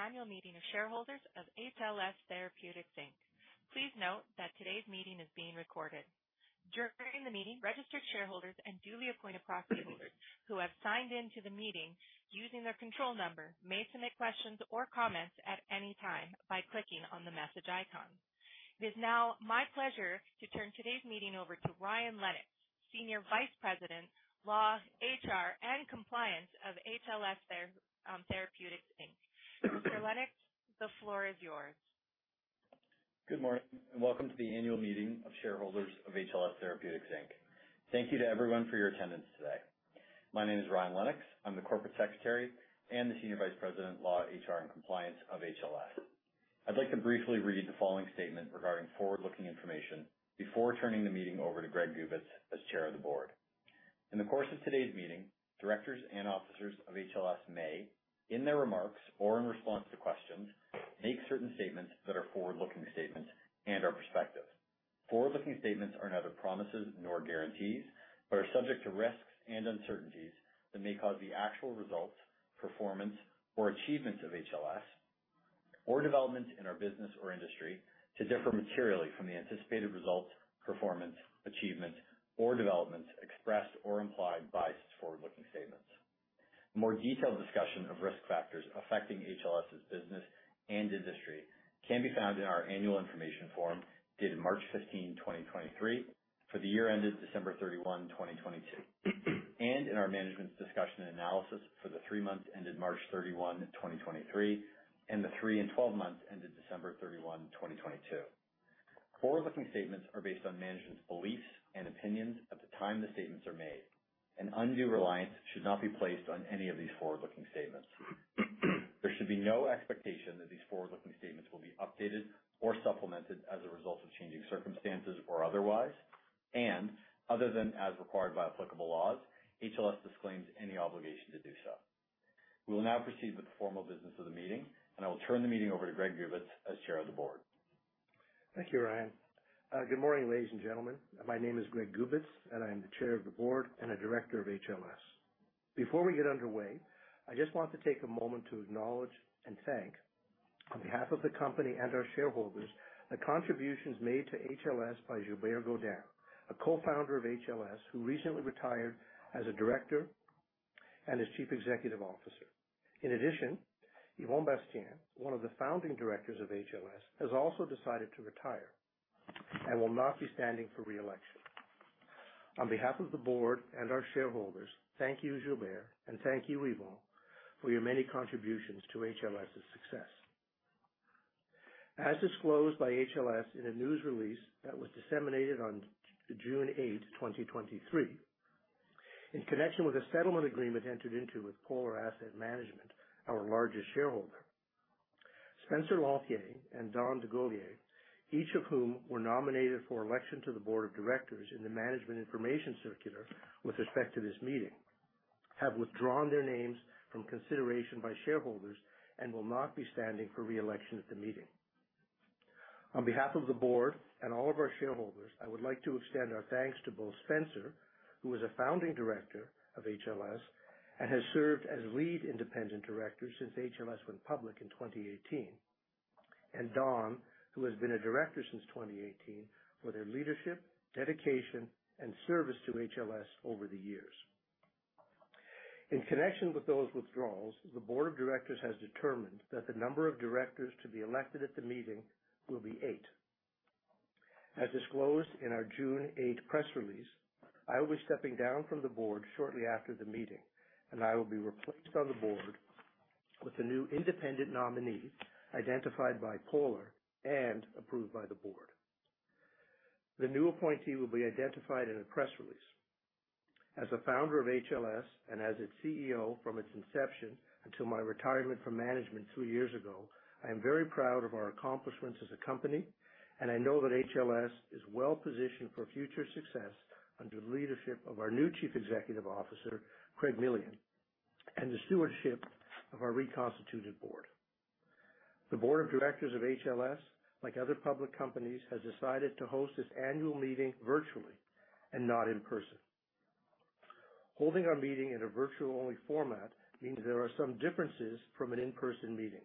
Welcome to the annual meeting of shareholders of HLS Therapeutics Inc. Please note that today's meeting is being recorded. During the meeting, registered shareholders and duly appointed proxyholders who have signed into the meeting using their control number may submit questions or comments at any time by clicking on the message icon. It is now my pleasure to turn today's meeting over to Ryan Lennox, Senior Vice-President, Law, HR, and Compliance of HLS Therapeutics Inc. Mr. Lennox, the floor is yours. Good morning, and welcome to the annual meeting of shareholders of HLS Therapeutics Inc. Thank you to everyone for your attendance today. My name is Ryan Lennox. I'm the Corporate Secretary and the Senior Vice President, Law, HR, and Compliance of HLS. I'd like to briefly read the following statement regarding forward-looking information before turning the meeting over to Greg Gubitz as Chair of the Board. In the course of today's meeting, directors and officers of HLS may, in their remarks or in response to questions, make certain statements that are forward-looking statements and are prospective. Forward-looking statements are neither promises nor guarantees, but are subject to risks and uncertainties that may cause the actual results, performance or achievements of HLS, or developments in our business or industry to differ materially from the anticipated results, performance, achievements or developments expressed or implied by such forward-looking statements. A more detailed discussion of risk factors affecting HLS' business and industry can be found in our Annual Information Form dated March 15, 2023, for the year ended December 31, 2022, and in our management's discussion and analysis for the three months ended March 31, 2023, and the three and 12 months ended December 31, 2022. Forward-looking statements are based on management's beliefs and opinions at the time the statements are made, and undue reliance should not be placed on any of these forward-looking statements. There should be no expectation that these forward-looking statements will be updated or supplemented as a result of changing circumstances or otherwise, and other than as required by applicable laws, HLS disclaims any obligation to do so. We will now proceed with the formal business of the meeting, and I will turn the meeting over to Greg Gubitz, as Chair of the Board. Thank you, Ryan. Good morning, ladies and gentlemen. My name is Greg Gubitz, and I am the Chair of the Board and a Director of HLS. Before we get underway, I just want to take a moment to acknowledge and thank, on behalf of the company and our shareholders, the contributions made to HLS by Gilbert Godin, a co-founder of HLS, who recently retired as a Director and as Chief Executive Officer. In addition, Yvon Bastien, one of the founding Directors of HLS, has also decided to retire and will not be standing for re-election. On behalf of the board and our shareholders, thank you, Gilbert Godin, and thank you, Yvon, for your many contributions to HLS' success. As disclosed by HLS in a news release that was disseminated on June 8, 2023, in connection with a settlement agreement entered into with Polar Asset Management, our largest shareholder, J. Spencer Lanthier and Don DeGolyer, each of whom were nominated for election to the Board of Directors in the management information circular with respect to this meeting, have withdrawn their names from consideration by shareholders and will not be standing for re-election at the meeting. On behalf of the board and all of our shareholders, I would like to extend our thanks to both Spencer, who is a founding Director of HLS and has served as Lead Independent Director since HLS went public in 2018, and Don, who has been a Director since 2018, for their leadership, dedication, and service to HLS over the years. In connection with those withdrawals, the Board of Directors has determined that the number of directors to be elected at the meeting will be eight. As disclosed in our June 8 press release, I will be stepping down from the board shortly after the meeting, and I will be replaced on the board with a new independent nominee identified by Polar and approved by the board. The new appointee will be identified in a press release. As a founder of HLS and as its CEO from its inception until my retirement from management two years ago, I am very proud of our accomplishments as a company, and I know that HLS is well-positioned for future success under the leadership of our new Chief Executive Officer, Craig Millian, and the stewardship of our reconstituted board. The Board of Directors of HLS, like other public companies, has decided to host its annual meeting virtually and not in person. Holding our meeting in a virtual-only format means there are some differences from an in-person meeting.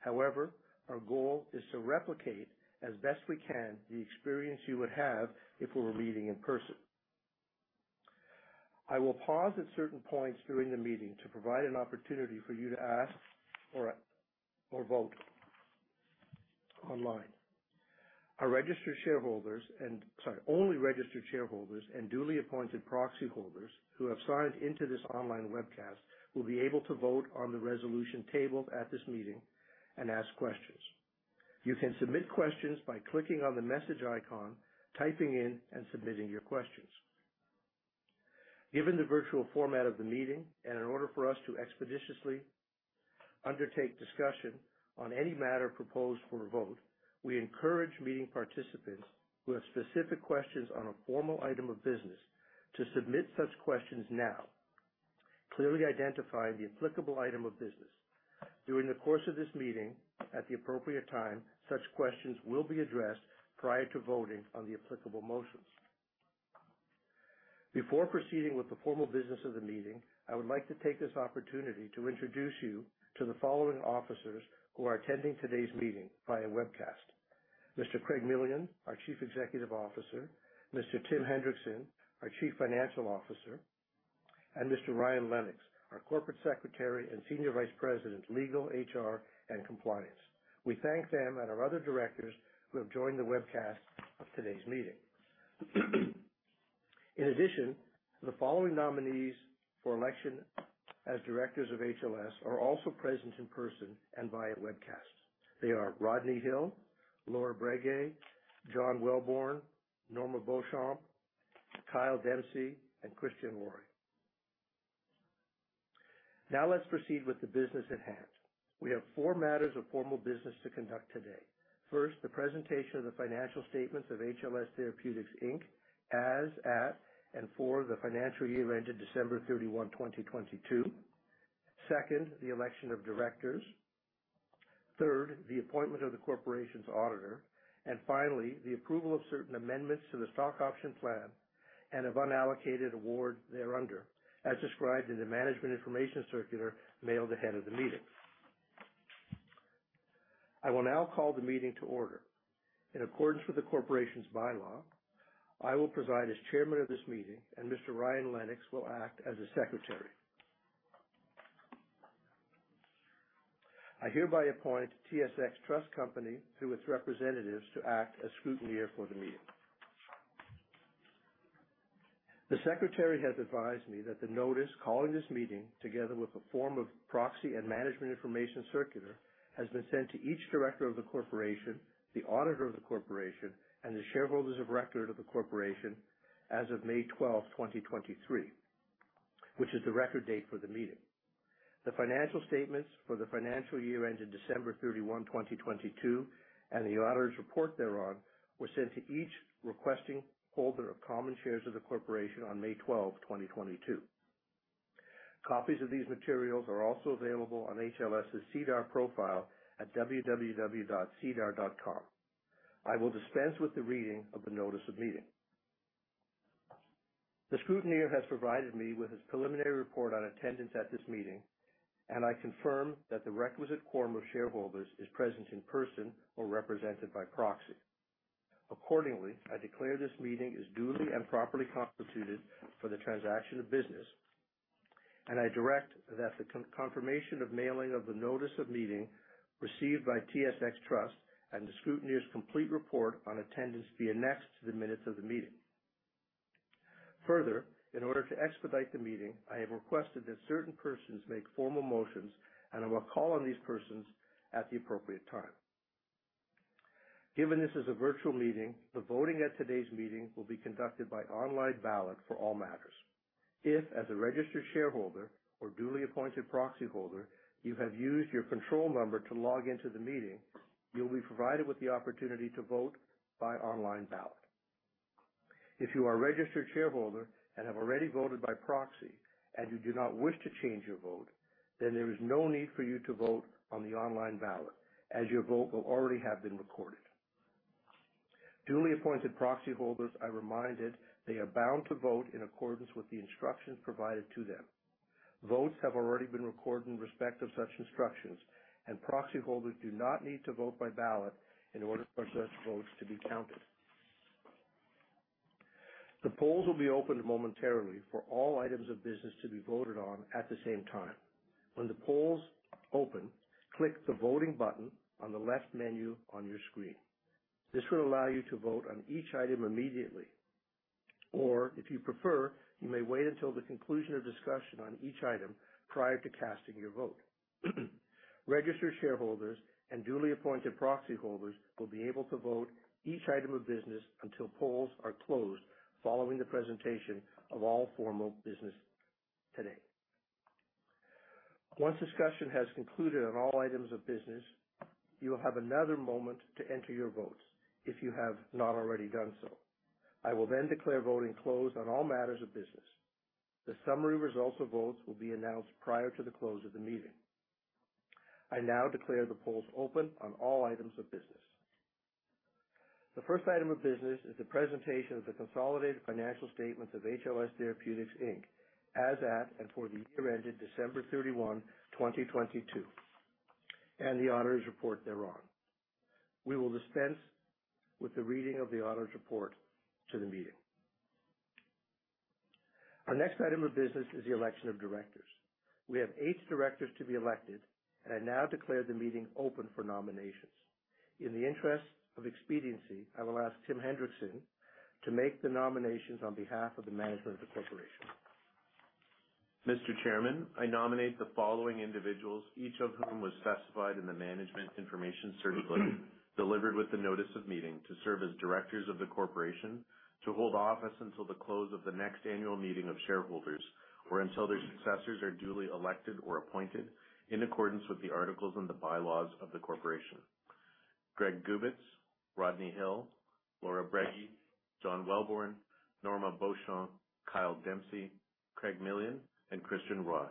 However, our goal is to replicate, as best we can, the experience you would have if we were meeting in person. I will pause at certain points during the meeting to provide an opportunity for you to ask or vote online. Only registered shareholders and duly appointed proxyholders who have signed into this online webcast will be able to vote on the resolution tabled at this meeting and ask questions. You can submit questions by clicking on the message icon, typing in, and submitting your questions. Given the virtual format of the meeting, and in order for us to expeditiously undertake discussion on any matter proposed for a vote, we encourage meeting participants who have specific questions on a formal item of business to submit such questions now, clearly identifying the applicable item of business. During the course of this meeting, at the appropriate time, such questions will be addressed prior to voting on the applicable motions. Before proceeding with the formal business of the meeting, I would like to take this opportunity to introduce you to the following officers who are attending today's meeting via webcast. Mr. Craig Millian, our Chief Executive Officer, Mr. Tim Hendrickson, our Chief Financial Officer, and Mr. Ryan C. Lennox, our Corporate Secretary and Senior Vice President, Legal, HR, and Compliance. We thank them and our other directors who have joined the webcast of today's meeting. In addition, the following nominees for election as directors of HLS are also present in person and via webcast. They are Rodney Hill, Laura Brege, John Welborn, Norma Beauchamp, Kyle Dempsey, and Christian Roy. Now let's proceed with the business at hand. We have four matters of formal business to conduct today. First, the presentation of the financial statements of HLS Therapeutics Inc. as at and for the financial year ended December 31, 2022. Second, the election of directors. Third, the appointment of the corporation's auditor. Finally, the approval of certain amendments to the stock option plan and of unallocated award thereunder, as described in the management information circular mailed ahead of the meeting. I will now call the meeting to order. In accordance with the corporation's bylaws, I will preside as chairman of this meeting and Mr. Ryan Lennox will act as the secretary. I hereby appoint TSX Trust Company through its representatives to act as scrutineer for the meeting. The secretary has advised me that the notice calling this meeting, together with a form of proxy and management information circular, has been sent to each director of the corporation, the auditor of the corporation, and the shareholders of record of the corporation as of May 12th, 2023, which is the record date for the meeting. The financial statements for the financial year ended December 31, 2022, and the auditor's report thereon were sent to each requesting holder of common shares of the corporation on May 12, 2022. Copies of these materials are also available on HLS's SEDAR profile at www.sedar.com. I will dispense with the reading of the notice of meeting. The scrutineer has provided me with his preliminary report on attendance at this meeting, and I confirm that the requisite quorum of shareholders is present in person or represented by proxy. Accordingly, I declare this meeting is duly and properly constituted for the transaction of business, and I direct that the confirmation of mailing of the notice of meeting received by TSX Trust and the scrutineer's complete report on attendance be annexed to the minutes of the meeting. Further, in order to expedite the meeting, I have requested that certain persons make formal motions, and I will call on these persons at the appropriate time. Given this is a virtual meeting, the voting at today's meeting will be conducted by online ballot for all matters. If, as a registered shareholder or duly appointed proxyholder, you have used your control number to log into the meeting, you'll be provided with the opportunity to vote by online ballot. If you are a registered shareholder and have already voted by proxy, and you do not wish to change your vote, then there is no need for you to vote on the online ballot, as your vote will already have been recorded. Duly appointed proxyholders are reminded they are bound to vote in accordance with the instructions provided to them. Votes have already been recorded in respect of such instructions, and proxyholders do not need to vote by ballot in order for such votes to be counted. The polls will be opened momentarily for all items of business to be voted on at the same time. When the polls open, click the Voting button on the left menu on your screen. This will allow you to vote on each item immediately. Or, if you prefer, you may wait until the conclusion of discussion on each item prior to casting your vote. Registered shareholders and duly appointed proxyholders will be able to vote each item of business until polls are closed following the presentation of all formal business today. Once discussion has concluded on all items of business, you will have another moment to enter your votes, if you have not already done so. I will then declare voting closed on all matters of business. The summary results of votes will be announced prior to the close of the meeting. I now declare the polls open on all items of business. The first item of business is the presentation of the consolidated financial statements of HLS Therapeutics Inc. as at and for the year ended December 31, 2022, and the auditor's report thereon. We will dispense with the reading of the auditor's report to the meeting. Our next item of business is the election of directors. We have eight directors to be elected, and I now declare the meeting open for nominations. In the interest of expediency, I will ask Tim Hendrickson to make the nominations on behalf of the management of the corporation. Mr. Chairman, I nominate the following individuals, each of whom was specified in the management information circular delivered with the notice of meeting to serve as directors of the corporation to hold office until the close of the next annual meeting of shareholders, or until their successors are duly elected or appointed in accordance with the articles and the bylaws of the corporation. Greg Gubitz, Rodney Hill, Laura Brege, John Welborn, Norma Beauchamp, Kyle Dempsey, Craig Millian, and Christian Roy.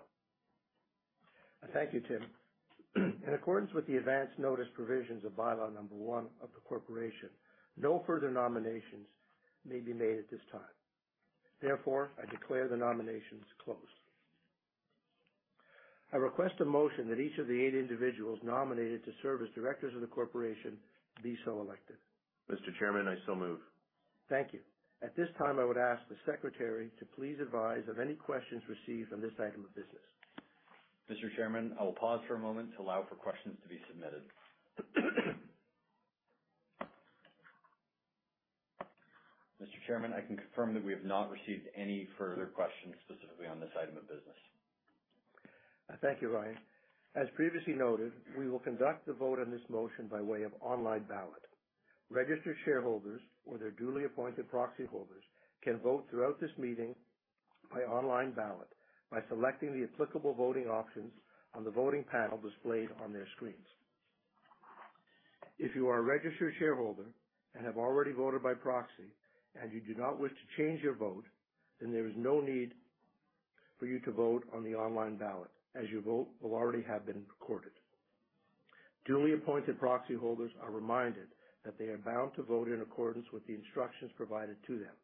Thank you, Tim. In accordance with the advance notice provisions of Bylaw Number 1 of the corporation, no further nominations may be made at this time. Therefore, I declare the nominations closed. I request a motion that each of the eight individuals nominated to serve as directors of the corporation be so elected. Mr. Chairman, I so move. Thank you. At this time, I would ask the secretary to please advise of any questions received on this item of business. Mr. Chairman, I will pause for a moment to allow for questions to be submitted. Mr. Chairman, I can confirm that we have not received any further questions specifically on this item of business. Thank you, Ryan. As previously noted, we will conduct the vote on this motion by way of online ballot. Registered shareholders or their duly appointed proxy holders can vote throughout this meeting by online ballot by selecting the applicable voting options on the voting panel displayed on their screens. If you are a registered shareholder and have already voted by proxy, and you do not wish to change your vote, then there is no need for you to vote on the online ballot, as your vote will already have been recorded. Duly appointed proxy holders are reminded that they are bound to vote in accordance with the instructions provided to them.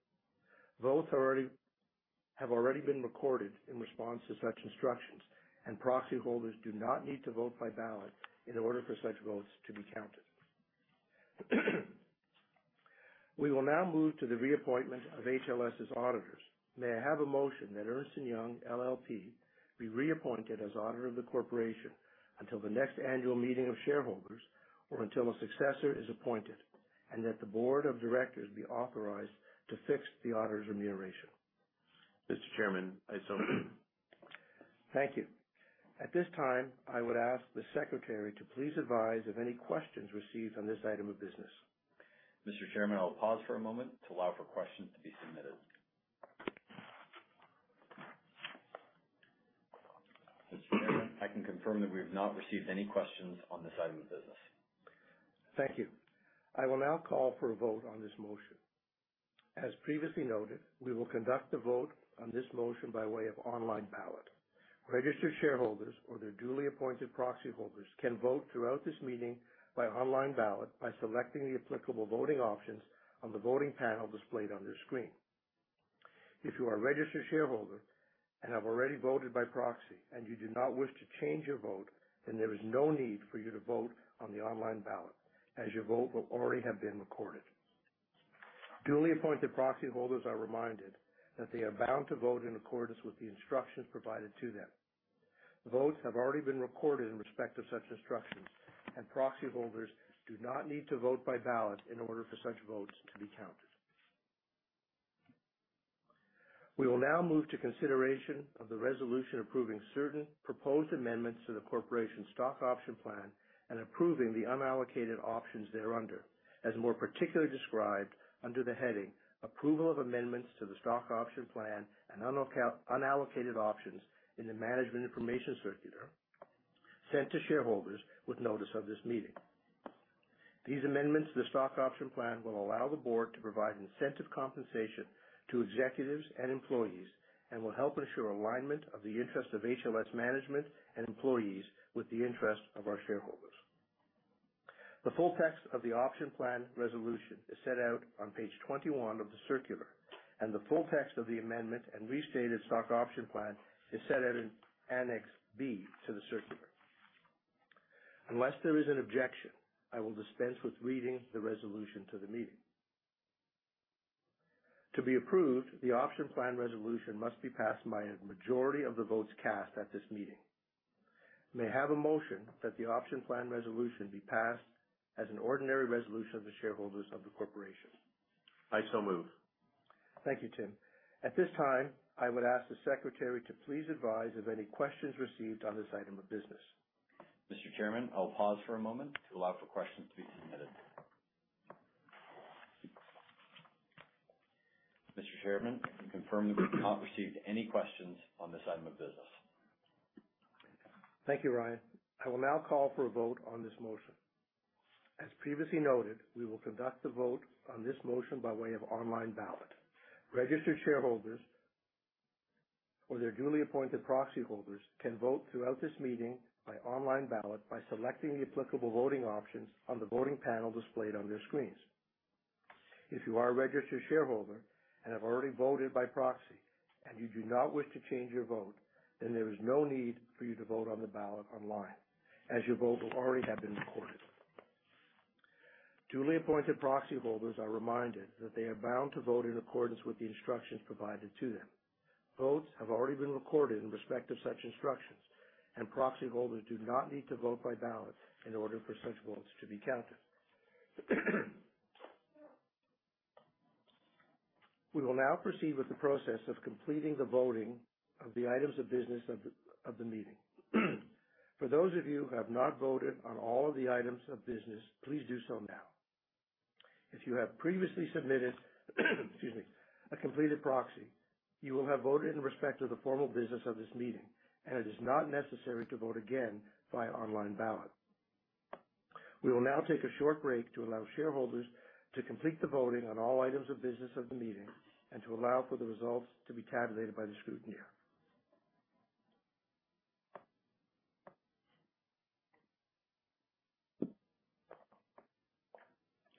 Votes have already been recorded in response to such instructions, and proxy holders do not need to vote by ballot in order for such votes to be counted. We will now move to the reappointment of HLS's auditors. May I have a motion that Ernst & Young LLP be reappointed as auditor of the corporation until the next annual meeting of shareholders, or until a successor is appointed, and that the board of directors be authorized to fix the auditor's remuneration? Mr. Chairman, I so move. Thank you. At this time, I would ask the secretary to please advise of any questions received on this item of business. Mr. Chairman, I will pause for a moment to allow for questions to be submitted. Mr. Chairman, I can confirm that we have not received any questions on this item of business. Thank you. I will now call for a vote on this motion. As previously noted, we will conduct the vote on this motion by way of online ballot. Registered shareholders or their duly appointed proxy holders can vote throughout this meeting by online ballot by selecting the applicable voting options on the voting panel displayed on their screen. If you are a registered shareholder and have already voted by proxy, and you do not wish to change your vote, then there is no need for you to vote on the online ballot, as your vote will already have been recorded. Duly appointed proxy holders are reminded that they are bound to vote in accordance with the instructions provided to them. Votes have already been recorded in respect of such instructions, and proxy holders do not need to vote by ballot in order for such votes to be counted. We will now move to consideration of the resolution approving certain proposed amendments to the corporation's stock option plan and approving the unallocated options thereunder, as more particularly described under the heading "Approval of Amendments to the Stock Option Plan and Unallocated Options" in the management information circular sent to shareholders with notice of this meeting. These amendments to the stock option plan will allow the board to provide incentive compensation to executives and employees and will help ensure alignment of the interests of HLS management and employees with the interests of our shareholders. The full text of the option plan resolution is set out on page 21 of the circular, and the full text of the amendment and restated stock option plan is set out in Annex B to the circular. Unless there is an objection, I will dispense with reading the resolution to the meeting. To be approved, the option plan resolution must be passed by a majority of the votes cast at this meeting. May I have a motion that the option plan resolution be passed as an ordinary resolution of the shareholders of the corporation? I so move. Thank you, Tim. At this time, I would ask the secretary to please advise of any questions received on this item of business. Mr. Chairman, I will pause for a moment to allow for questions to be submitted. Mr. Chairman, I can confirm that we have not received any questions on this item of business. Thank you, Ryan. I will now call for a vote on this motion. As previously noted, we will conduct the vote on this motion by way of online ballot. Registered shareholders or their duly appointed proxy holders can vote throughout this meeting by online ballot by selecting the applicable voting options on the voting panel displayed on their screens. If you are a registered shareholder and have already voted by proxy, and you do not wish to change your vote, then there is no need for you to vote on the ballot online, as your vote will already have been recorded. Duly appointed proxy holders are reminded that they are bound to vote in accordance with the instructions provided to them. Votes have already been recorded in respect of such instructions, and proxy holders do not need to vote by ballot in order for such votes to be counted. We will now proceed with the process of completing the voting of the items of business of the meeting. For those of you who have not voted on all of the items of business, please do so now. If you have previously submitted a completed proxy, you will have voted in respect of the formal business of this meeting, and it is not necessary to vote again by online ballot. We will now take a short break to allow shareholders to complete the voting on all items of business of the meeting and to allow for the results to be tabulated by the scrutineer.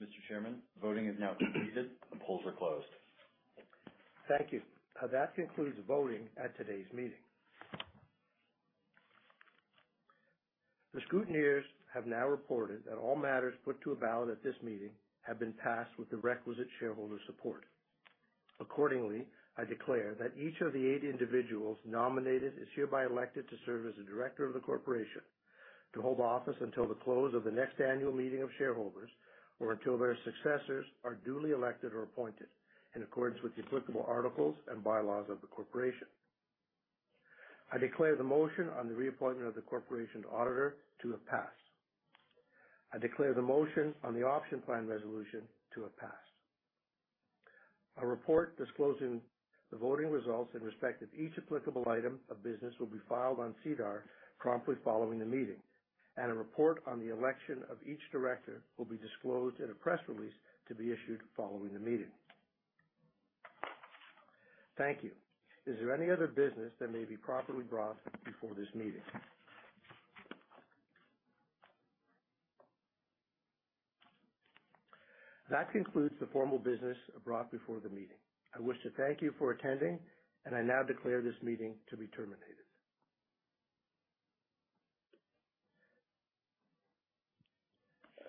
Mr. Chairman, voting is now completed. The polls are closed. Thank you. That concludes the voting at today's meeting. The scrutineers have now reported that all matters put to a ballot at this meeting have been passed with the requisite shareholder support. Accordingly, I declare that each of the eight individuals nominated is hereby elected to serve as a director of the corporation, to hold office until the close of the next annual meeting of shareholders, or until their successors are duly elected or appointed in accordance with the applicable articles and bylaws of the corporation. I declare the motion on the reappointment of the corporation auditor to have passed. I declare the motion on the option plan resolution to have passed. A report disclosing the voting results in respect of each applicable item of business will be filed on SEDAR promptly following the meeting, and a report on the election of each director will be disclosed in a press release to be issued following the meeting. Thank you. Is there any other business that may be properly brought before this meeting? That concludes the formal business brought before the meeting. I wish to thank you for attending, and I now declare this meeting to be terminated.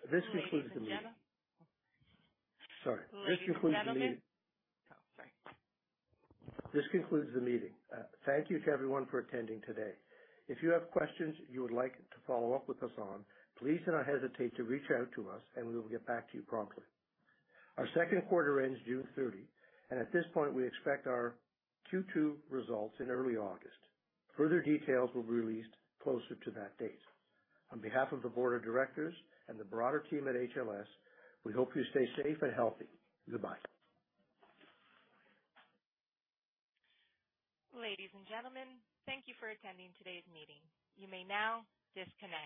This concludes the meeting. Ladies and gentlemen. Sorry. This concludes the meeting. Will you do that again? Oh, sorry. This concludes the meeting. Thank you to everyone for attending today. If you have questions you would like to follow up with us on, please do not hesitate to reach out to us, and we will get back to you promptly. Our second quarter ends June 30, and at this point, we expect our Q2 results in early August. Further details will be released closer to that date. On behalf of the board of directors and the broader team at HLS, we hope you stay safe and healthy. Goodbye. Ladies and gentlemen, thank you for attending today's meeting. You may now disconnect.